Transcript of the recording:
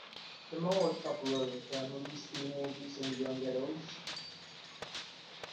The mall is popular with families, teenagers and young adults.